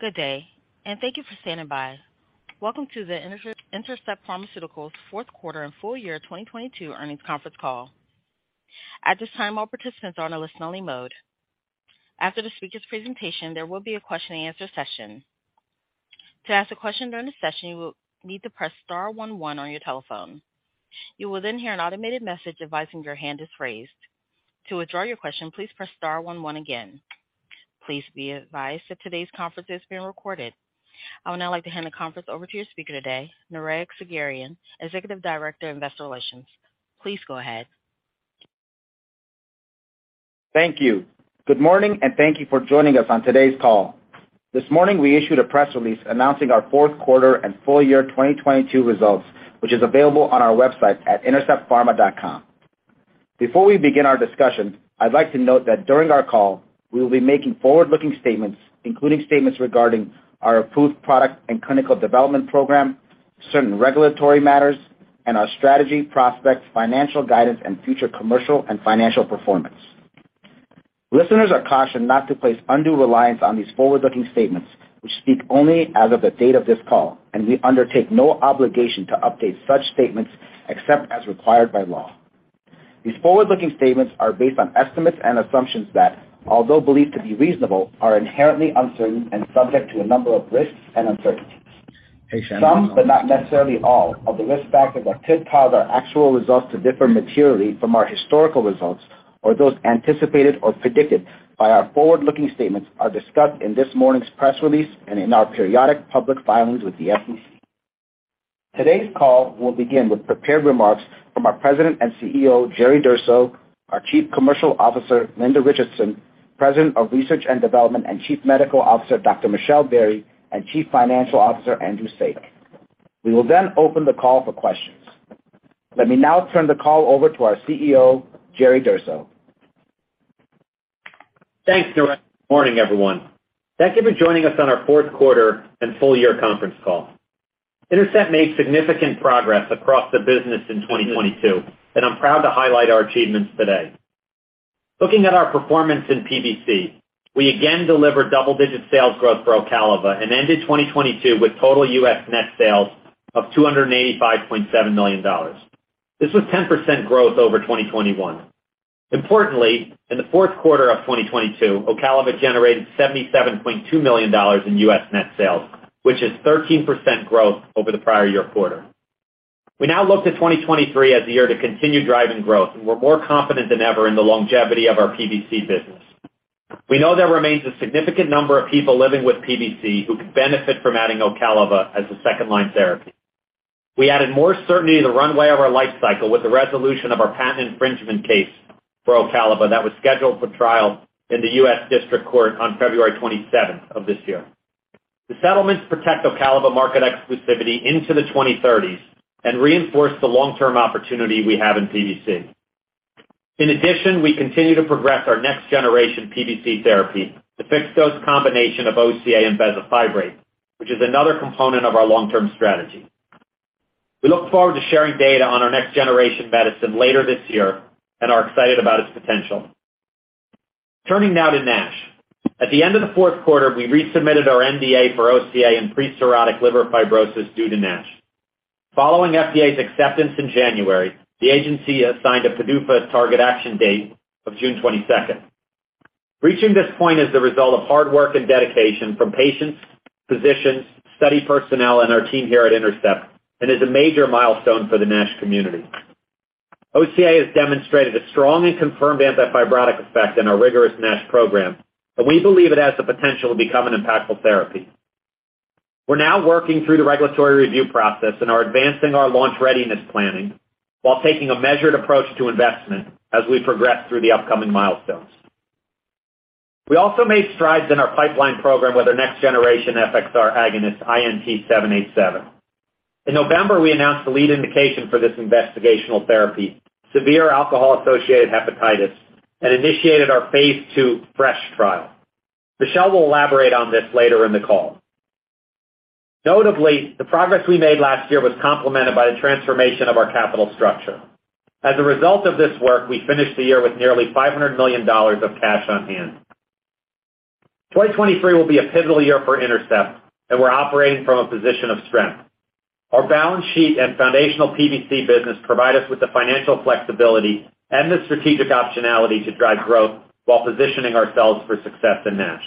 Good day, and thank you for standing by. Welcome to the Intercept Pharmaceuticals Fourth Quarter and Full Year 2022 Earnings Conference Call. At this time, all participants are in a listen-only mode. After the speaker's presentation, there will be a question-and-answer session. To ask a question during the session, you will need to press star one one on your telephone. You will then hear an automated message advising your hand is raised. To withdraw your question, please press star one one again. Please be advised that today's conference is being recorded. I would now like to hand the conference over to your speaker today, Nareg Sagherian, Executive Director of Investor Relations. Please go ahead. Thank you. Good morning, and thank you for joining us on today's call. This morning, we issued a press release announcing our fourth quarter and full year 2022 results, which is available on our website at interceptpharma.com. Before we begin our discussion, I'd like to note that during our call, we will be making forward-looking statements, including statements regarding our approved product and clinical development program, certain regulatory matters, and our strategy, prospects, financial guidance, and future commercial and financial performance. Listeners are cautioned not to place undue reliance on these forward-looking statements, which speak only as of the date of this call, and we undertake no obligation to update such statements except as required by law. These forward-looking statements are based on estimates and assumptions that, although believed to be reasonable, are inherently uncertain and subject to a number of risks and uncertainties. Some but not necessarily all of the risk factors that could cause our actual results to differ materially from our historical results or those anticipated or predicted by our forward-looking statements are discussed in this morning's press release and in our periodic public filings with the SEC. Today's call will begin with prepared remarks from our President and CEO, Jerry Durso, our Chief Commercial Officer, Linda Richardson, President of Research and Development and Chief Medical Officer, Dr. Michelle Berrey, and Chief Financial Officer, Andrew Saik. We will then open the call for questions. Let me now turn the call over to our CEO, Jerry Durso. Thanks, Nareg. Good morning, everyone. Thank you for joining us on our fourth quarter and full year conference call. Intercept made significant progress across the business in 2022, and I'm proud to highlight our achievements today. Looking at our performance in PBC, we again delivered double-digit sales growth for Ocaliva and ended 2022 with total US net sales of $285.7 million. This was 10% growth over 2021. Importantly, in the fourth quarter of 2022, Ocaliva generated $77.2 million in US net sales, which is 13% growth over the prior year quarter. We now look to 2023 as the year to continue driving growth. We're more confident than ever in the longevity of our PBC business. We know there remains a significant number of people living with PBC who could benefit from adding Ocaliva as a second line therapy. We added more certainty to the runway of our life cycle with the resolution of our patent infringement case for Ocaliva that was scheduled for trial in the U.S. District Court on February 27th of this year. The settlements protect Ocaliva market exclusivity into the 2030s and reinforce the long-term opportunity we have in PBC. We continue to progress our next generation PBC therapy, the fixed-dose combination of OCA and bezafibrate, which is another component of our long-term strategy. We look forward to sharing data on our next generation medicine later this year and are excited about its potential. Turning now to NASH. At the end of Q4, we resubmitted our NDA for OCA in pre-cirrhotic liver fibrosis due to NASH. Following FDA's acceptance in January, the agency assigned a PDUFA target action date of June 22nd. Reaching this point is the result of hard work and dedication from patients, physicians, study personnel, and our team here at Intercept and is a major milestone for the NASH community. OCA has demonstrated a strong and confirmed antifibrotic effect in our rigorous NASH program. We believe it has the potential to become an impactful therapy. We're now working through the regulatory review process and are advancing our launch readiness planning while taking a measured approach to investment as we progress through the upcoming milestones. We also made strides in our pipeline program with our next generation FXR agonist, INT-787. In November, we announced the lead indication for this investigational therapy, severe alcohol-associated hepatitis. We initiated our Phase II FRESH trial. Michelle will elaborate on this later in the call. Notably, the progress we made last year was complemented by the transformation of our capital structure. As a result of this work, we finished the year with nearly $500 million of cash on hand. 2023 will be a pivotal year for Intercept, and we're operating from a position of strength. Our balance sheet and foundational PBC business provide us with the financial flexibility and the strategic optionality to drive growth while positioning ourselves for success in NASH.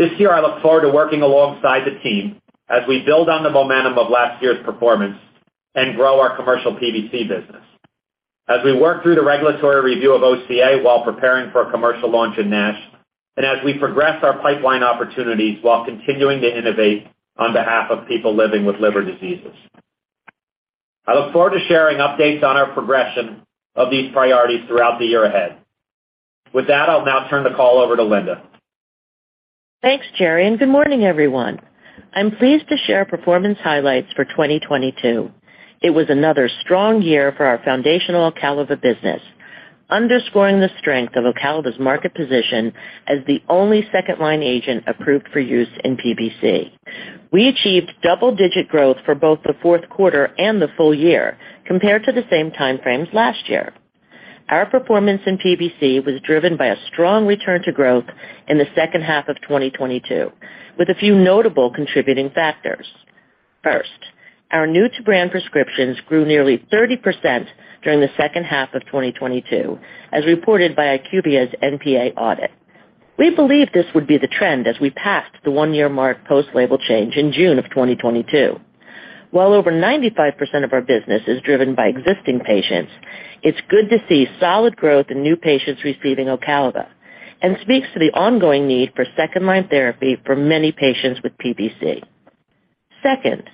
This year, I look forward to working alongside the team as we build on the momentum of last year's performance and grow our commercial PBC business as we work through the regulatory review of OCA while preparing for a commercial launch in NASH, and as we progress our pipeline opportunities while continuing to innovate on behalf of people living with liver diseases. I look forward to sharing updates on our progression of these priorities throughout the year ahead. With that, I'll now turn the call over to Linda. Thanks, Jerry. Good morning, everyone. I'm pleased to share performance highlights for 2022. It was another strong year for our foundational Ocaliva business, underscoring the strength of Ocaliva's market position as the only second-line agent approved for use in PBC. We achieved double-digit growth for both the fourth quarter and the full year compared to the same time frames last year. Our performance in PBC was driven by a strong return to growth in the second half of 2022, with a few notable contributing factors. First, our new to brand prescriptions grew nearly 30% during the second half of 2022, as reported by IQVIA's NPA audit. We believe this would be the trend as we passed the one-year mark post label change in June of 2022. While over 95% of our business is driven by existing patients, it's good to see solid growth in new patients receiving Ocaliva, and speaks to the ongoing need for second-line therapy for many patients with PBC. Second,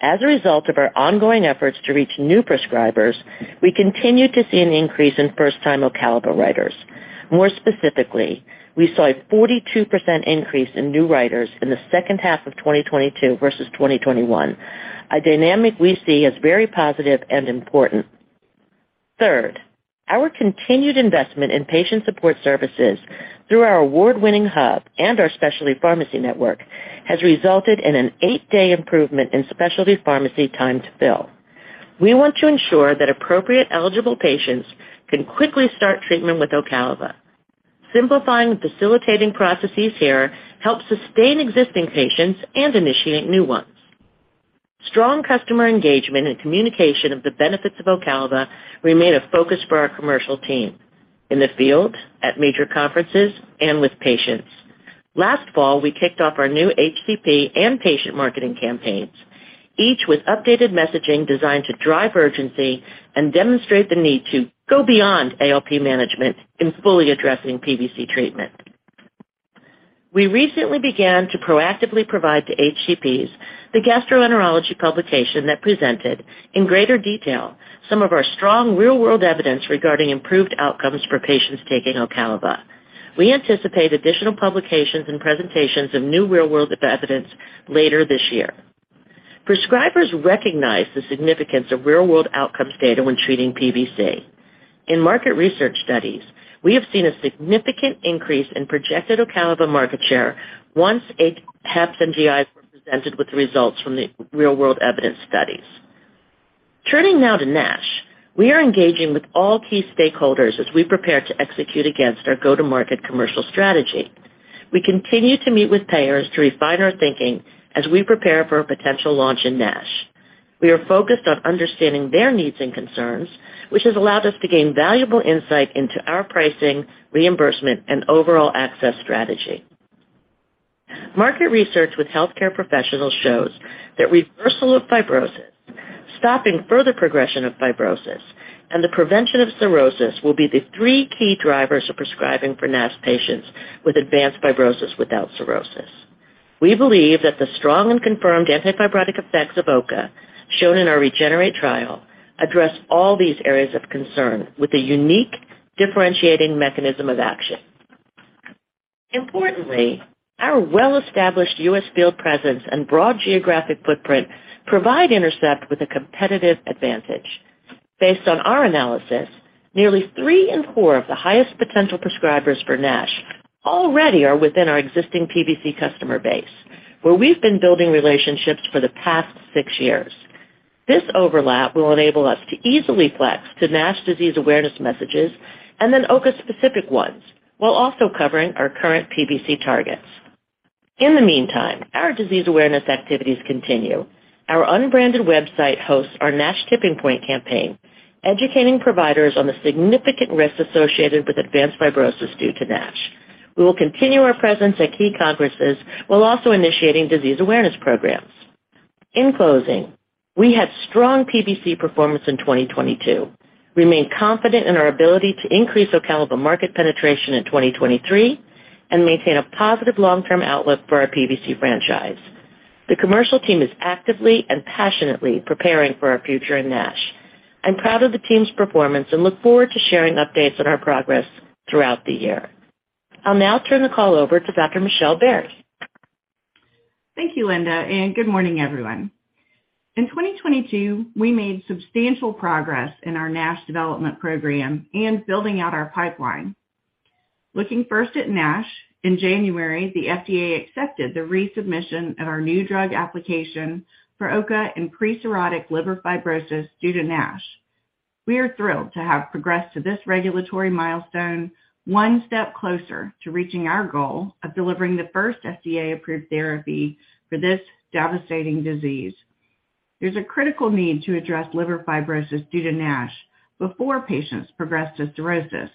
as a result of our ongoing efforts to reach new prescribers, we continue to see an increase in first-time Ocaliva writers. More specifically, we saw a 42% increase in new writers in the second half of 2022 versus 2021, a dynamic we see as very positive and important. Third, our continued investment in patient support services through our award-winning hub and our specialty pharmacy network has resulted in an 8-day improvement in specialty pharmacy time to fill. We want to ensure that appropriate eligible patients can quickly start treatment with Ocaliva. Simplifying facilitating processes here helps sustain existing patients and initiate new ones. Strong customer engagement and communication of the benefits of Ocaliva remain a focus for our commercial team in the field, at major conferences, and with patients. Last fall, we kicked off our new HCP and patient marketing campaigns, each with updated messaging designed to drive urgency and demonstrate the need to go beyond ALP management in fully addressing PBC treatment. We recently began to proactively provide to HCPs the Gastroenterology publication that presented, in greater detail, some of our strong real-world evidence regarding improved outcomes for patients taking Ocaliva. We anticipate additional publications and presentations of new real-world evidence later this year. Prescribers recognize the significance of real-world outcomes data when treating PBC. In market research studies, we have seen a significant increase in projected Ocaliva market share once HEPs and GIs were presented with the results from the real-world evidence studies. Turning now to NASH, we are engaging with all key stakeholders as we prepare to execute against our go-to-market commercial strategy. We continue to meet with payers to refine our thinking as we prepare for a potential launch in NASH. We are focused on understanding their needs and concerns, which has allowed us to gain valuable insight into our pricing, reimbursement, and overall access strategy. Market research with healthcare professionals shows that reversal of fibrosis, stopping further progression of fibrosis, and the prevention of cirrhosis will be the three-key drivers of prescribing for NASH patients with advanced fibrosis without cirrhosis. We believe that the strong and confirmed antifibrotic effects of OCA shown in our REGENERATE trial address all these areas of concern with a unique differentiating mechanism of action. Importantly, our well-established U.S. field presence and broad geographic footprint provide Intercept with a competitive advantage. Based on our analysis, nearly three in four of the highest potential prescribers for NASH already are within our existing PBC customer base, where we've been building relationships for the past six years. This overlap will enable us to easily flex to NASH disease awareness messages and then OCA-specific ones while also covering our current PBC targets. In the meantime, our disease awareness activities continue. Our unbranded website hosts our NASH Tipping Point campaign, educating providers on the significant risks associated with advanced fibrosis due to NASH. We will continue our presence at key congresses while also initiating disease awareness programs. In closing, we had strong PBC performance in 2022, remain confident in our ability to increase Ocaliva market penetration in 2023, and maintain a positive long-term outlook for our PBC franchise. The commercial team is actively and passionately preparing for our future in NASH. I'm proud of the team's performance and look forward to sharing updates on our progress throughout the year. I'll now turn the call over to Dr. Michelle Berrey. Thank you, Linda. Good morning, everyone. In 2022, we made substantial progress in our NASH development program and building out our pipeline. Looking first at NASH, in January, the FDA accepted the resubmission of our new drug application for OCA in pre-cirrhotic liver fibrosis due to NASH. We are thrilled to have progressed to this regulatory milestone, one step closer to reaching our goal of delivering the first FDA-approved therapy for this devastating disease. There's a critical need to address liver fibrosis due to NASH before patients progress to cirrhosis,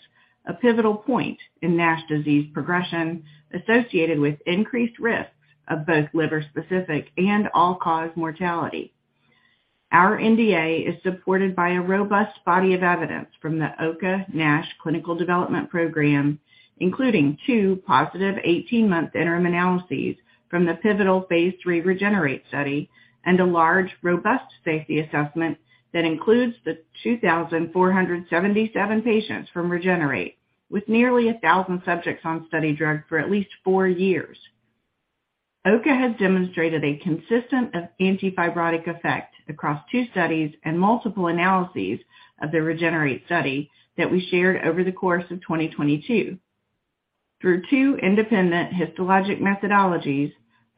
a pivotal point in NASH disease progression associated with increased risks of both liver-specific and all-cause mortality. Our NDA is supported by a robust body of evidence from the OCA NASH clinical development program, including two positive 18-month interim analyses from the pivotal Phase 3 REGENERATE study and a large, robust safety assessment that includes the 2,477 patients from REGENERATE, with nearly 1,000 subjects on study drug for at least four years. OCA has demonstrated a consistent antifibrotic effect across two studies and multiple analyses of the REGENERATE study that we shared over the course of 2022. Through two independent histologic methodologies,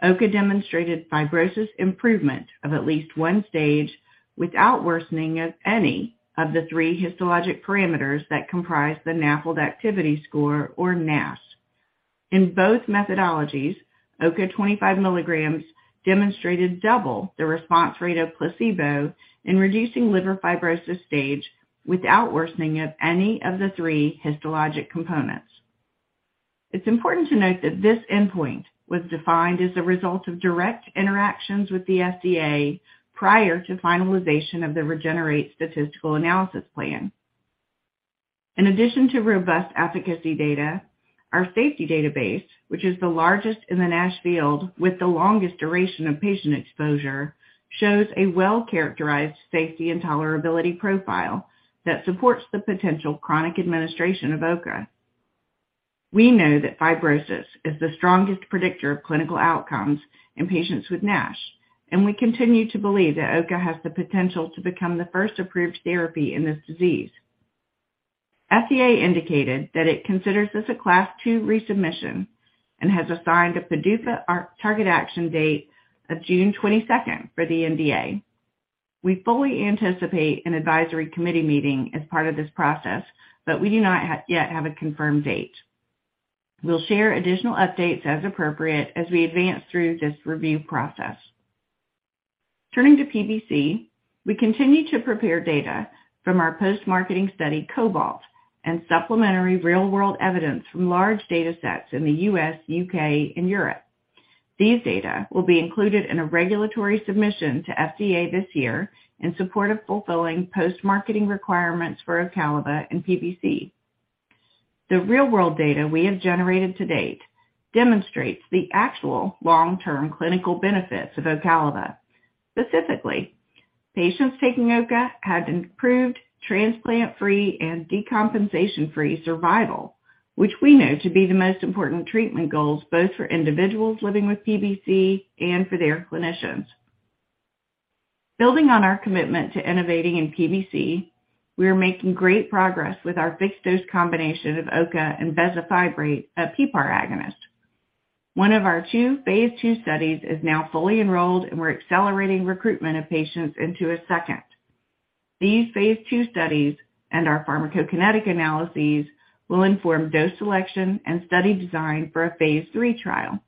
OCA demonstrated fibrosis improvement of at least one stage without worsening of any of the three histologic parameters that comprise the NAFLD Activity Score or NAS. In both methodologies, OCA 25 mg demonstrated double the response rate of placebo in reducing liver fibrosis stage without worsening of any of the three histologic components. It's important to note that this endpoint was defined as a result of direct interactions with the FDA prior to finalization of the REGENERATE statistical analysis plan. In addition to robust efficacy data, our safety database, which is the largest in the NASH field with the longest duration of patient exposure, shows a well-characterized safety and tolerability profile that supports the potential chronic administration of OCA. We know that fibrosis is the strongest predictor of clinical outcomes in patients with NASH, and we continue to believe that OCA has the potential to become the first approved therapy in this disease. FDA indicated that it considers this a Class 2 resubmission and has assigned a PDUFA target action date of June 22nd for the NDA. We fully anticipate an advisory committee meeting as part of this process, but we do not yet have a confirmed date. We'll share additional updates as appropriate as we advance through this review process. Turning to PBC, we continue to prepare data from our post-marketing study, COBALT, and supplementary real-world evidence from large datasets in the U.S., U.K. and Europe. These data will be included in a regulatory submission to FDA this year in support of fulfilling post-marketing requirements for OCALIVA and PBC. The real-world data we have generated to date demonstrates the actual long-term clinical benefits of OCALIVA. Specifically, patients taking OCA had improved transplant-free and decompensation-free survival, which we know to be the most important treatment goals, both for individuals living with PBC and for their clinicians. Building on our commitment to innovating in PBC, we are making great progress with our fixed-dose combination of OCA and bezafibrate, a PPAR agonist. One of our two Phase II studies is now fully enrolled, and we're accelerating recruitment of patients into a second. These Phase II studies and our pharmacokinetic analyses will inform dose selection and study design for a Phase III trial.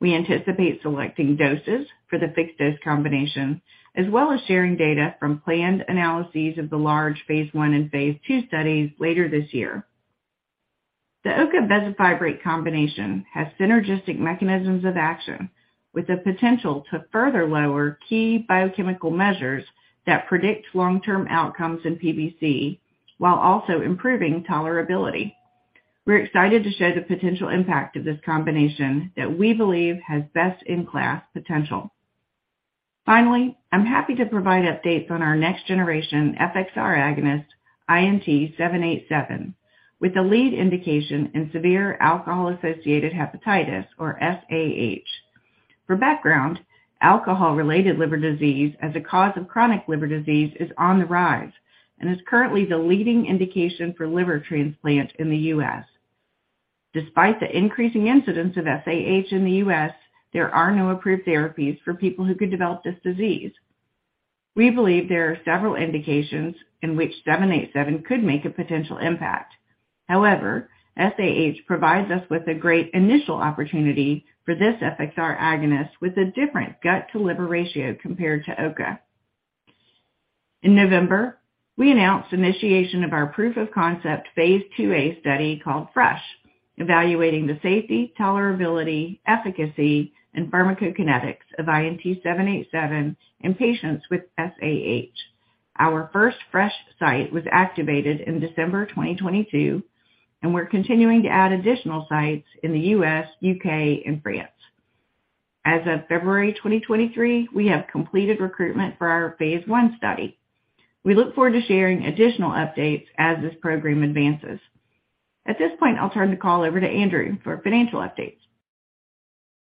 We anticipate selecting doses for the fixed-dose combination, as well as sharing data from planned analyses of the large Phase I and Phase II studies later this year. The OCA bezafibrate combination has synergistic mechanisms of action with the potential to further lower key biochemical measures that predict long-term outcomes in PBC while also improving tolerability. We're excited to show the potential impact of this combination that we believe has best-in-class potential. Finally, I'm happy to provide updates on our next-generation FXR agonist, INT-787, with a lead indication in severe alcohol-associated hepatitis or SAH. For background, alcohol-related liver disease as a cause of chronic liver disease is on the rise and is currently the leading indication for liver transplant in the U.S. Despite the increasing incidence of SAH in the U.S., there are no approved therapies for people who could develop this disease. We believe there are several indications in which INT-787 could make a potential impact. SAH provides us with a great initial opportunity for this FXR agonist with a different gut-to-liver ratio compared to OCA. In November, we announced initiation of our proof of concept Phase IIA study called FRESH, evaluating the safety, tolerability, efficacy, and pharmacokinetics of INT-787 in patients with SAH. Our first FRESH site was activated in December 2022. We're continuing to add additional sites in the U.S., U.K. and France. As of February 2023, we have completed recruitment for our Phase II study. We look forward to sharing additional updates as this program advances. At this point, I'll turn the call over to Andrew for financial updates.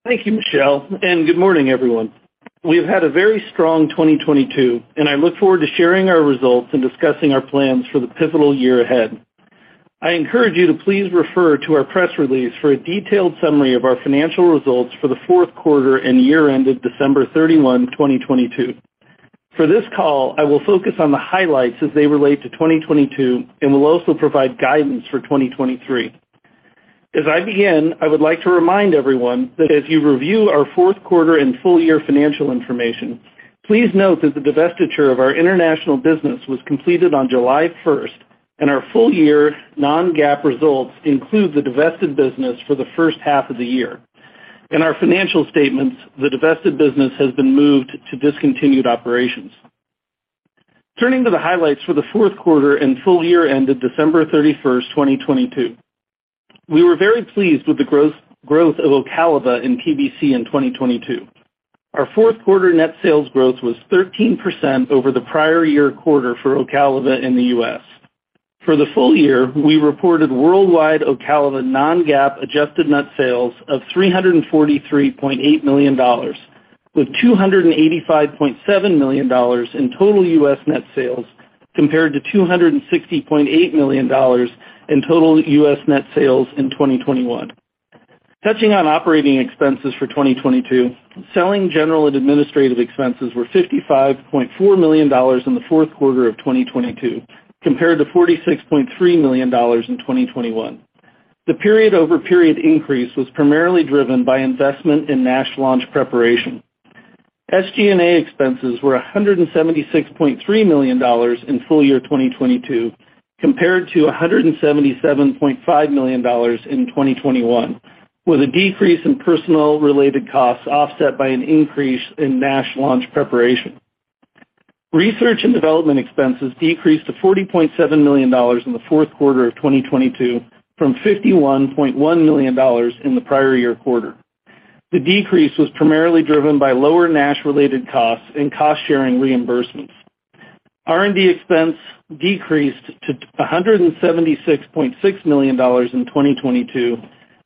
Thank you, Michelle. Good morning, everyone. We have had a very strong 2022. I look forward to sharing our results and discussing our plans for the pivotal year ahead. I encourage you to please refer to our press release for a detailed summary of our financial results for the fourth quarter and year ended December 31, 2022. For this call, I will focus on the highlights as they relate to 2022. I will also provide guidance for 2023. As I begin, I would like to remind everyone that as you review our fourth quarter and full year financial information, please note that the divestiture of our international business was completed on July 1st. Our full year non-GAAP results include the divested business for the first half of the year. In our financial statements, the divested business has been moved to discontinued operations. Turning to the highlights for the fourth quarter and full year ended December 31, 2022. We were very pleased with the growth of Ocaliva in PBC in 2022. Our fourth quarter net sales growth was 13% over the prior year quarter for Ocaliva in the U.S. For the full year, we reported worldwide Ocaliva non-GAAP adjusted net sales of $343.8 million. With $285.7 million in total U.S. net sales compared to $260.8 million in total U.S. net sales in 2021. Touching on operating expenses for 2022, selling general and administrative expenses were $55.4 million in the fourth quarter of 2022 compared to $46.3 million in 2021. The period-over-period increase was primarily driven by investment in NASH launch preparation. SG&A expenses were $176.3 million in full year 2022 compared to $177.5 million in 2021, with a decrease in personnel related costs offset by an increase in NASH launch preparation. Research and development expenses decreased to $40.7 million in the fourth quarter of 2022 from $51.1 million in the prior year quarter. The decrease was primarily driven by lower NASH-related costs and cost-sharing reimbursements. R&D expense decreased to $176.6 million in 2022,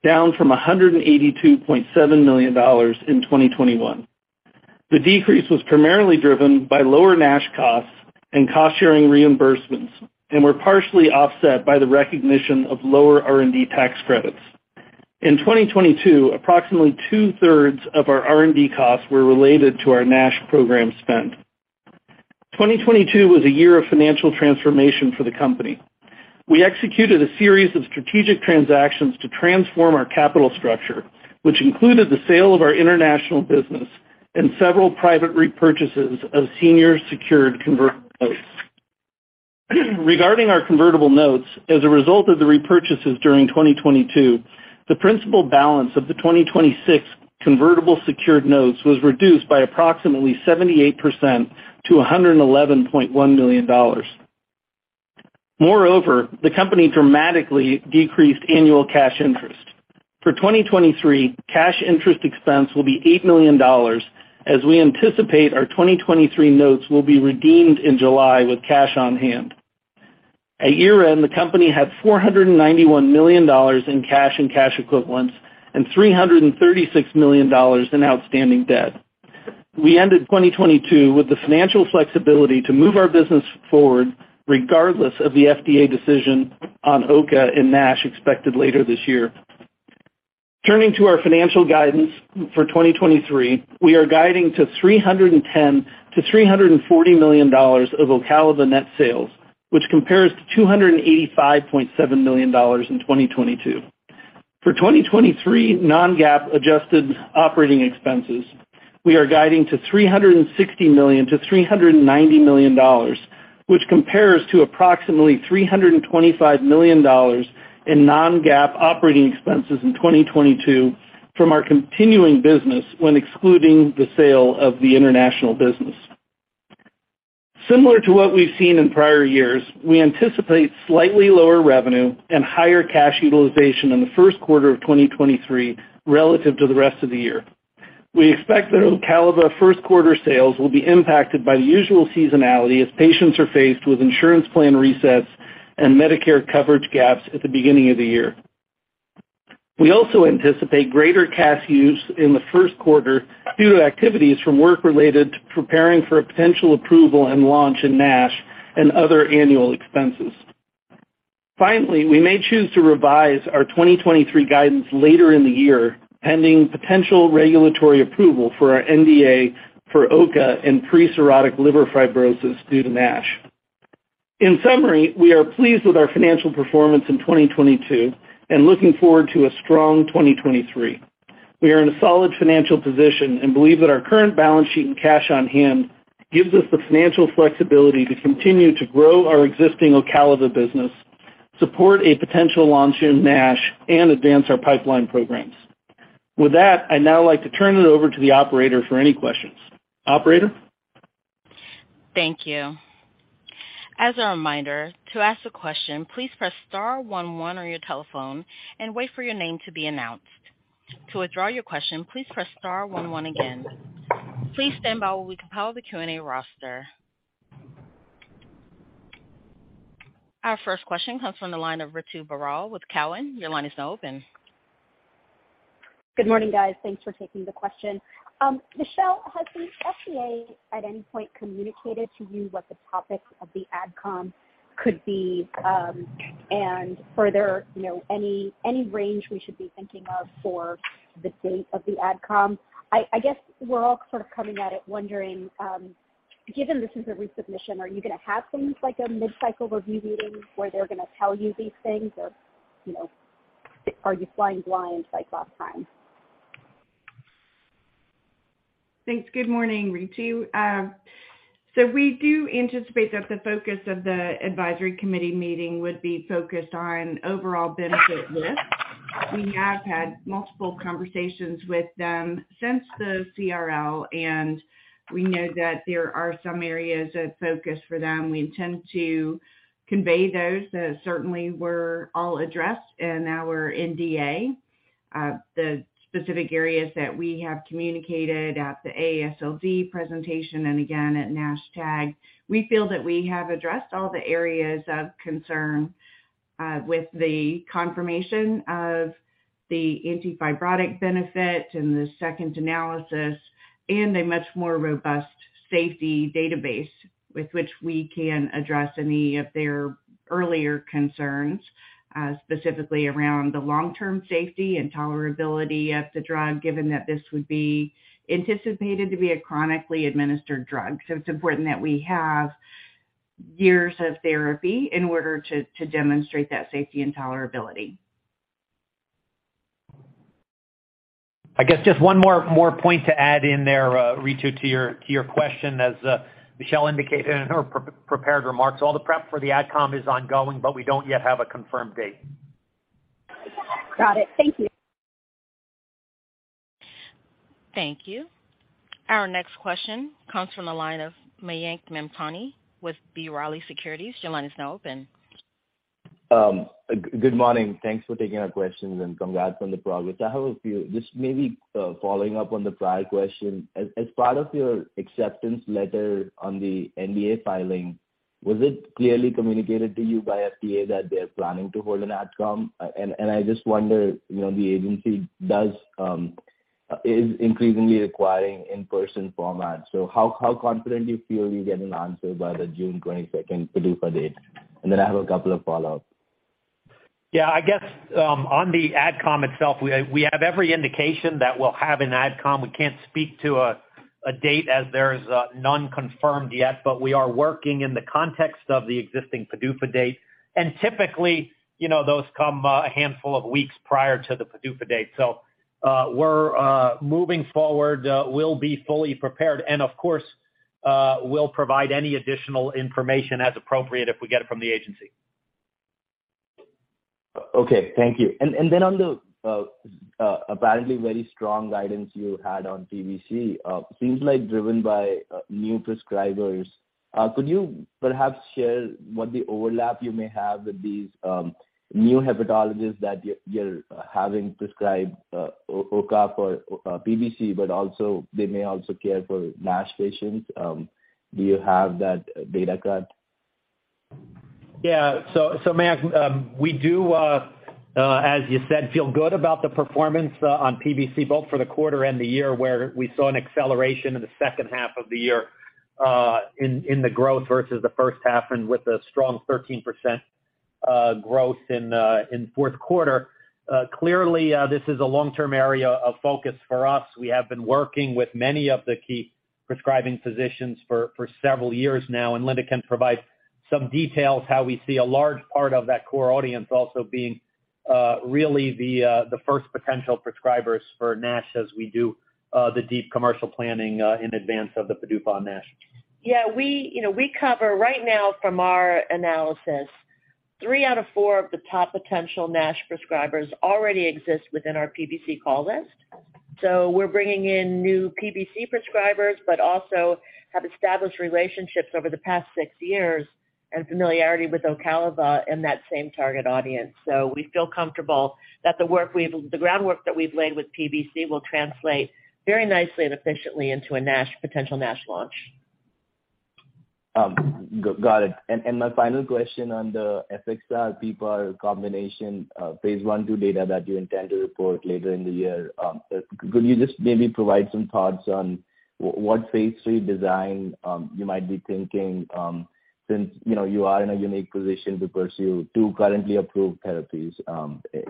down from $182.7 million in 2021. The decrease was primarily driven by lower NASH costs and cost-sharing reimbursements and were partially offset by the recognition of lower R&D tax credits. In 2022, approximately 2/3 of our R&D costs were related to our NASH program spend. 2022 was a year of financial transformation for the company. We executed a series of strategic transactions to transform our capital structure, which included the sale of our international business and several private repurchases of senior secured convertible notes. Regarding our convertible notes, as a result of the repurchases during 2022, the principal balance of the 2026 convertible secured notes was reduced by approximately 78% to $111.1 million. The company dramatically decreased annual cash interest. For 2023, cash interest expense will be $8 million as we anticipate our 2023 notes will be redeemed in July with cash on-hand. At year-end, the company had $491 million in cash and cash equivalents and $336 million in outstanding debt. We ended 2022 with the financial flexibility to move our business forward regardless of the FDA decision on OCA in NASH expected later this year. Turning to our financial guidance for 2023, we are guiding to $310 million-$340 million of Ocaliva net sales, which compares to $285.7 million in 2022. For 2023 non-GAAP adjusted operating expenses, we are guiding to $360 million-$390 million, which compares to approximately $325 million in non-GAAP operating expenses in 2022 from our continuing business when excluding the sale of the international business. Similar to what we've seen in prior years, we anticipate slightly lower revenue and higher cash utilization in the first quarter of 2023 relative to the rest of the year. We expect that Ocaliva first quarter sales will be impacted by the usual seasonality as patients are faced with insurance plan resets and Medicare coverage gaps at the beginning of the year. We also anticipate greater cash use in the first quarter due to activities from work related to preparing for a potential approval and launch in NASH and other annual expenses. Finally, we may choose to revise our 2023 guidance later in the year, pending potential regulatory approval for our NDA for OCA in pre-cirrhotic liver fibrosis due to NASH. In summary, we are pleased with our financial performance in 2022 and looking forward to a strong 2023. We are in a solid financial position and believe that our current balance sheet and cash on hand gives us the financial flexibility to continue to grow our existing Ocaliva business, support a potential launch in NASH and advance our pipeline programs. With that, I'd now like to turn it over to the operator for any questions. Operator? Thank you. As a reminder, to ask a question, please press star one one on your telephone and wait for your name to be announced. To withdraw your question, please press star one one again. Please stand by while we compile the Q&A roster. Our first question comes from the line of Ritu Baral with Cowen. Your line is now open. Good morning, guys. Thanks for taking the question. Michelle, has the FDA at any point communicated to you what the topic of the AdCom could be? Further, you know, any range we should be thinking of for the date of the AdCom? I guess we're all sort of coming at it wondering, given this is a resubmission, are you gonna have things like a mid-cycle review meeting where they're gonna tell you these things or, you know, are you flying blind like last time? Thanks. Good morning, Ritu. We do anticipate that the focus of the advisory committee meeting would be focused on overall benefit risk. We have had multiple conversations with them since the CRL, and we know that there are some areas of focus for them. We intend to convey those that certainly were all addressed in our NDA. The specific areas that we have communicated at the AASLD presentation and again at NASH-TAG, we feel that we have addressed all the areas of concern. With the confirmation of the anti-fibrotic benefit and the second analysis and a much more robust safety database with which we can address any of their earlier concerns, specifically around the long-term safety and tolerability of the drug, given that this would be anticipated to be a chronically administered drug. It's important that we have years of therapy in order to demonstrate that safety and tolerability. I guess just one more point to add in there, Ritu, to your question, as Michelle indicated in her pre-prepared remarks, all the prep for the ad com is ongoing, but we don't yet have a confirmed date. Got it. Thank you. Thank you. Our next question comes from the line of Mayank Mamtani with B. Riley Securities. Your line is now open. Good morning. Thanks for taking our questions and congrats on the progress. I have a few. Just maybe, following up on the prior question. As part of your acceptance letter on the NDA filing, was it clearly communicated to you by FDA that they're planning to hold an ad com? I just wonder, you know, the agency does, is increasingly requiring in-person format. How, how confident do you feel you get an answer by the June 22nd PDUFA date? Then I have a couple of follow-ups. Yeah, I guess, on the ad com itself, we have every indication that we'll have an ad com. We can't speak to a date as there's none confirmed yet, but we are working in the context of the existing PDUFA date. Typically, you know, those come a handful of weeks prior to the PDUFA date. We're moving forward, we'll be fully prepared. Of course, we'll provide any additional information as appropriate if we get it from the agency. Okay. Thank you. Then on the apparently very strong guidance you had on PBC, seems like driven by new prescribers. Could you perhaps share what the overlap you may have with these new Hepatologists that you're having prescribe OCA for PBC, but also they may also care for NASH patients. Do you have that data cut? Mayank, we do, as you said, feel good about the performance on PBC, both for the quarter and the year where we saw an acceleration in the second half of the year, in the growth versus the first half. With a strong 13% growth in fourth quarter. Clearly, this is a long-term area of focus for us. We have been working with many of the key prescribing physicians for several years now. Linda can provide some details how we see a large part of that core audience also being really the first potential prescribers for NASH as we do the deep commercial planning in advance of the PDUFA on NASH. Yeah, we, you know, we cover right now from our analysis, three out of four of the top potential NASH prescribers already exist within our PBC call list. We're bringing in new PBC prescribers, but also have established relationships over the past six years and familiarity with Ocaliva in that same target audience. We feel comfortable that the groundwork that we've laid with PBC will translate very nicely and efficiently into a NASH, potential NASH launch. got it. My final question on the fixed-dose pill combination, Phase I, II data that you intend to report later in the year. Could you just maybe provide some thoughts on what Phase III design you might be thinking since, you know, you are in a unique position to pursue two currently approved therapies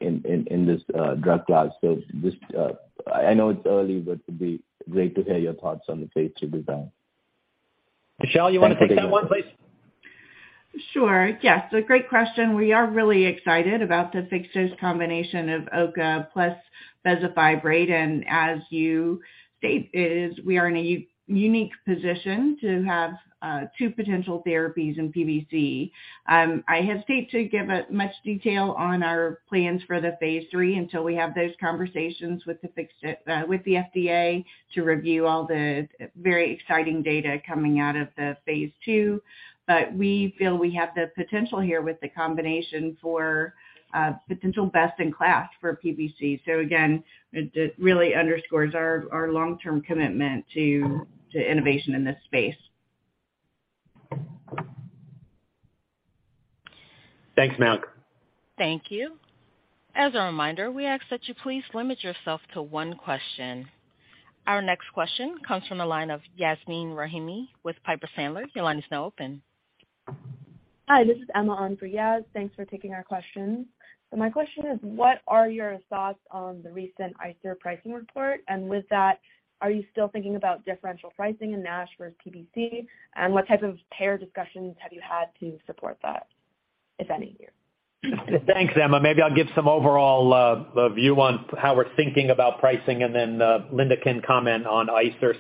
in this drug class? Just, I know it's early, but it'd be great to hear your thoughts on the Phase III design. Michelle, you want to take that one, please? Sure. Yes, great question. We are really excited about the fixed-dose combination of OCA plus bezafibrate. As you state it is we are in a unique position to have two potential therapies in PBC. I hesitate to give much detail on our plans for the Phase III until we have those conversations with the FDA to review all the very exciting data coming out of the Phase II. We feel we have the potential here with the combination for potential best in class for PBC. Again, it really underscores our long-term commitment to innovation in this space. Thanks, Mayank. Thank you. As a reminder, we ask that you please limit yourself to one question. Our next question comes from the line of Yasmeen Rahimi with Piper Sandler. Your line is now open. Hi, this is Emma on for Yas. Thanks for taking our questions. My question is, what are your thoughts on the recent ICER pricing report? With that, are you still thinking about differential pricing in NASH versus PBC? What type of payer discussions have you had to support that, if any here? Thanks, Emma. Maybe I'll give some overall view on how we're thinking about pricing and then Linda can comment on ICER.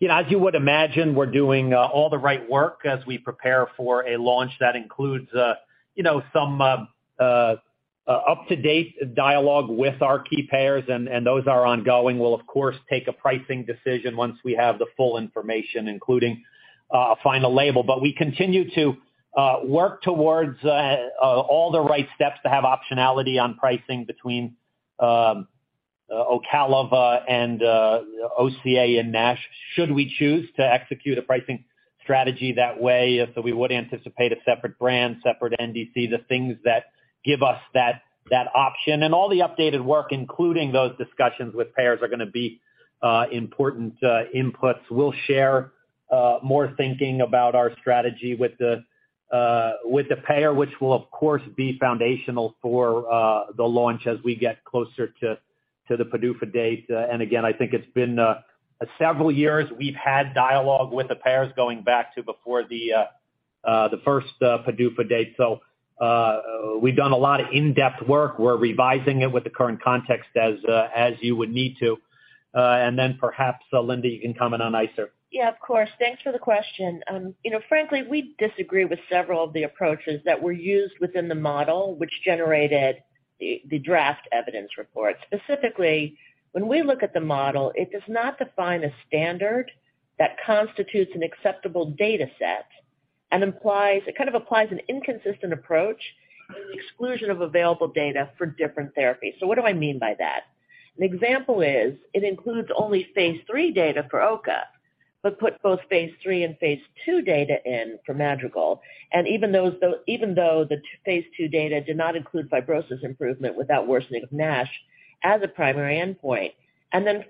you know, as you would imagine, we're doing all the right work as we prepare for a launch that includes, you know, some up-to-date dialogue with our key payers and those are ongoing. We'll of course take a pricing decision once we have the full information, including a final label. We continue to work towards all the right steps to have optionality on pricing between Ocaliva and OCA in NASH. Should we choose to execute a pricing strategy that way, if so, we would anticipate a separate brand, separate NDC, the things that give us that option. All the updated work, including those discussions with payers, are going to be important inputs. We'll share more thinking about our strategy with the payer, which will of course be foundational for the launch as we get closer to the PDUFA date. Again, I think it's been several years we've had dialogue with the payers going back to before the first PDUFA date. We've done a lot of in-depth work. We're revising it with the current context as you would need to. Perhaps, Linda, you can comment on ICER. Yeah, of course. Thanks for the question. you know, frankly, we disagree with several of the approaches that were used within the model, which generated the draft evidence report. Specifically, when we look at the model, it does not define a standard that constitutes an acceptable data set and kind of applies an inconsistent approach in the exclusion of available data for different therapies. What do I mean by that? An example is it includes only Phase III data for OCA, but put both Phase III and Phase II data in for Madrigal. Even though the Phase II data did not include fibrosis improvement without worsening of NASH as a primary endpoint.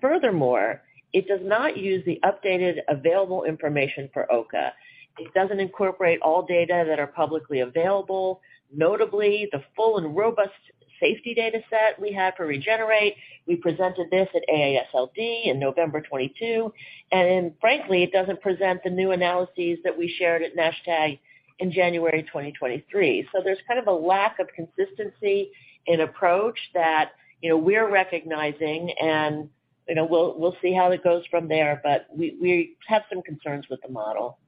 Furthermore, it does not use the updated available information for OCA. It doesn't incorporate all data that are publicly available, notably the full and robust safety data set we have for REGENERATE. We presented this at AASLD in November 2022. Frankly, it doesn't present the new analyses that we shared at NASH-TAG in January 2023. There's kind of a lack of consistency in approach that, you know, we're recognizing, and, you know, we'll see how it goes from there. We have some concerns with the model.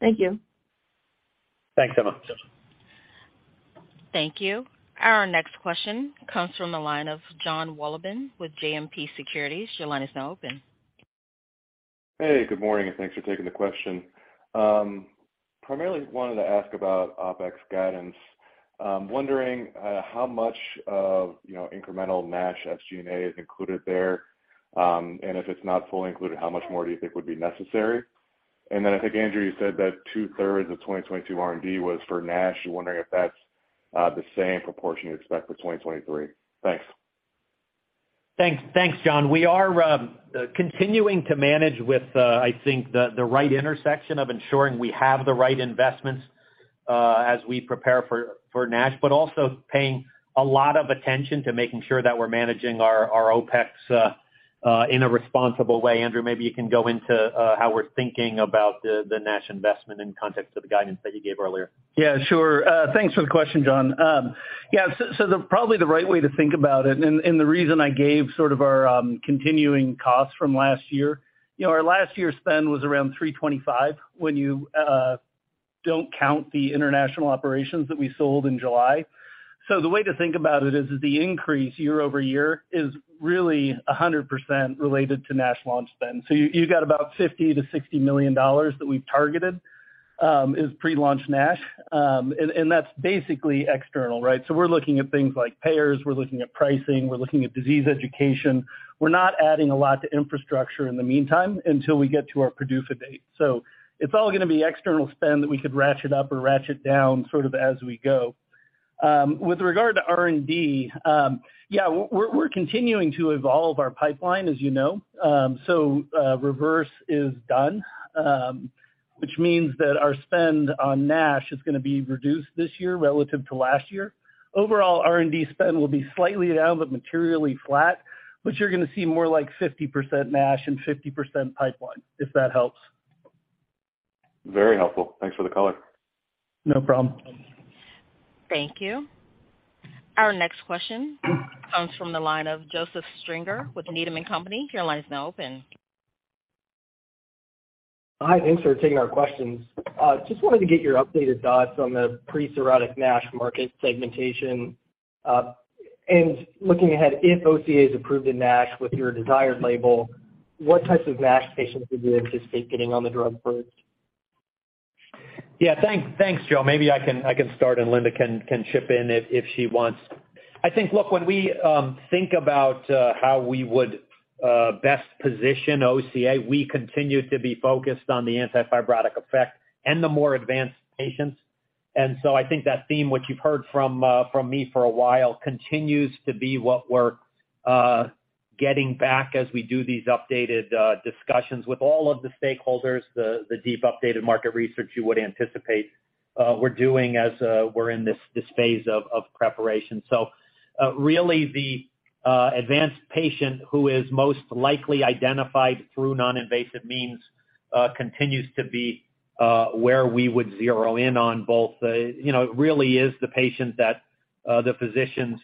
Thank you. Thanks, Emma. Thank you. Our next question comes from the line of Jon Wolleben with JMP Securities. Your line is now open. Hey, good morning, and thanks for taking the question. Primarily wanted to ask about OpEx guidance. Wondering how much of, you know, incremental NASH SG&A is included there. If it's not fully included, how much more do you think would be necessary? I think, Andrew, you said that 2/3 of 2022 R&D was for NASH. Wondering if that's the same proportion you expect for 2023. Thanks. Thanks. Thanks, Jon. We are continuing to manage with, I think the right intersection of ensuring we have the right investments as we prepare for NASH, but also paying a lot of attention to making sure that we're managing our OpEx in a responsible way. Andrew, maybe you can go into how we're thinking about the NASH investment in context of the guidance that you gave earlier. Yeah, sure. Thanks for the question, John. Yeah, probably the right way to think about it, and the reason I gave sort of our continuing costs from last year. You know, our last year's spend was around $325 when you don't count the international operations that we sold in July. The way to think about it is the increase year-over-year is really 100% related to NASH launch spend. You got about $50 million-$60 million that we've targeted is pre-launch NASH. That's basically external, right? We're looking at things like payers. We're looking at pricing. We're looking at disease education. We're not adding a lot to infrastructure in the meantime until we get to our PDUFA date. It's all going to be external spend that we could ratchet up or ratchet down sort of as we go. With regard to R&D, we're continuing to evolve our pipeline, as you know. REVERSE is done, which means that our spend on NASH is going to be reduced this year relative to last year. Overall, R&D spend will be slightly down but materially flat, but you're going to see more like 50% NASH and 50% pipeline, if that helps. Very helpful. Thanks for the color. No problem. Thank you. Our next question comes from the line of Joseph Stringer with Needham & Company. Your line is now open. Hi, thanks for taking our questions. Just wanted to get your updated thoughts on the pre-cirrhotic NASH market segmentation. Looking ahead, if OCA is approved in NASH with your desired label, what types of NASH patients would you anticipate getting on the drug first? Yeah, thank, thanks, Joe. Maybe I can, I can start and Linda can chip in if she wants. I think, look, when we think about how we would best position OCA, we continue to be focused on the anti-fibrotic effect and the more advanced patients. I think that theme, which you've heard from me for a while, continues to be what we're getting back as we do these updated discussions with all of the stakeholders, the deep updated market research you would anticipate we're doing as we're in this phase of preparation. Really the advanced patient who is most likely identified through non-invasive means, continues to be where we would zero in on both the, you know, it really is the patient that the physicians,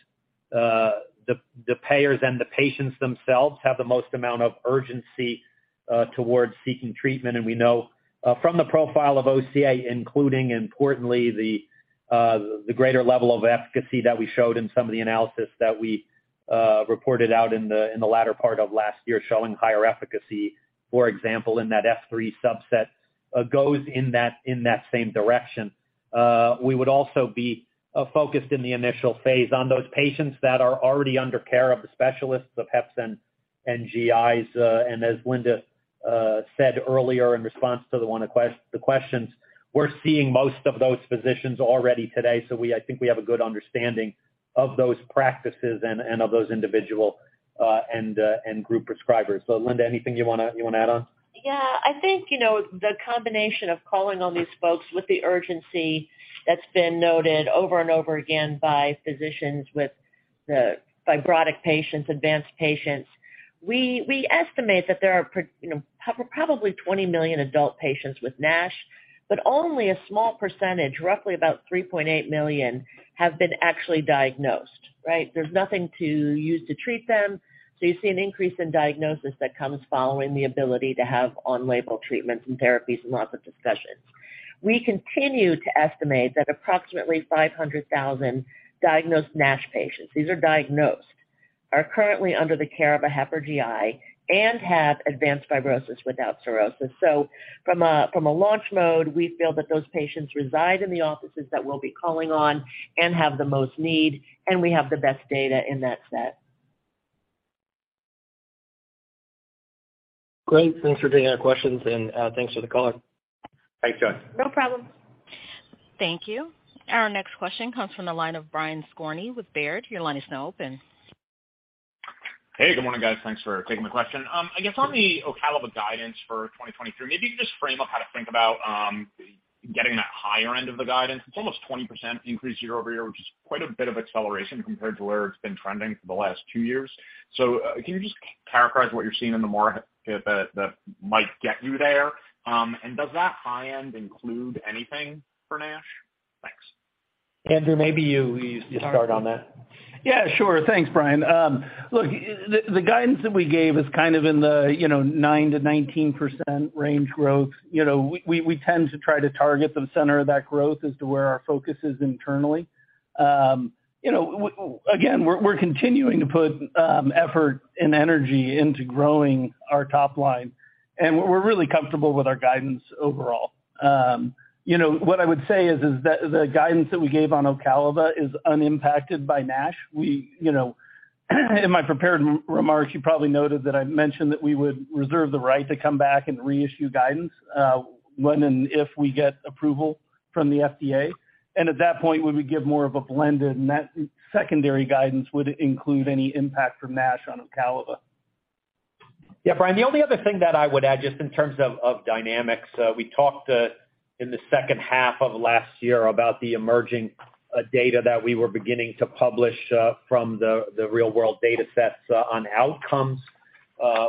the payers and the patients themselves have the most amount of urgency towards seeking treatment. We know from the profile of OCA, including importantly the greater level of efficacy that we showed in some of the analysis that we reported out in the latter part of last year, showing higher efficacy, for example, in that S3 subset, goes in that same direction. We would also be focused in the initial phase on those patients that are already under care of the specialists, the HEPs and GIs. As Linda said earlier in response to the questions, we're seeing most of those physicians already today. We I think we have a good understanding of those practices and of those individual and group prescribers. Linda, anything you wanna add on? Yeah. I think, you know, the combination of calling on these folks with the urgency that's been noted over and over again by physicians with the fibrotic patients, advanced patients. We estimate that there are you know, probably 20 million adult patients with NASH, but only a small percentage, roughly about 3.8 million, have been actually diagnosed, right? There's nothing to use to treat them. You see an increase in diagnosis that comes following the ability to have on-label treatments and therapies and lots of discussions. We continue to estimate that approximately 500,000 diagnosed NASH patients, these are diagnosed, are currently under the care of a HEP or GI and have advanced fibrosis without cirrhosis. From a launch mode, we feel that those patients reside in the offices that we'll be calling on and have the most need, and we have the best data in that set. Great. Thanks for taking our questions, and thanks for the color. Thanks, Jon. No problem. Thank you. Our next question comes from the line of Brian Skorney with Baird. Your line is now open. Hey, good morning, guys. Thanks for taking my question. I guess on the Ocaliva guidance for 2023, maybe you could just frame up how to think about getting that higher end of the guidance. It's almost 20% increase year-over-year, which is quite a bit of acceleration compared to where it's been trending for the last two years. Can you just characterize what you're seeing in the more that might get you there? Does that high end include anything for NASH? Thanks. Andrew, maybe you start on that. Yeah, sure. Thanks, Brian. Look, the guidance that we gave is kind of in the, you know, 9%-19% range growth. We tend to try to target the center of that growth as to where our focus is internally. Again, we're continuing to put effort and energy into growing our top line, and we're really comfortable with our guidance overall. What I would say is that the guidance that we gave on Ocaliva is unimpacted by NASH. In my prepared remarks, you probably noted that I mentioned that we would reserve the right to come back and reissue guidance when and if we get approval from the FDA. At that point, when we give more of a blended net, secondary guidance would include any impact from NASH on Ocaliva. Yeah, Brian, the only other thing that I would add just in terms of dynamics, we talked in the second half of last year about the emerging data that we were beginning to publish from the real world datasets on outcomes.